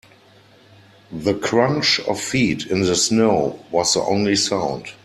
The crunch of feet in the snow was the only sound.